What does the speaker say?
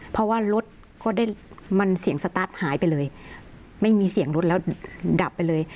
เพราะว่ารถก็ได้มันเสียงสตาร์ทหายไปเลยไม่มีเสียงรถแล้วดับไปเลย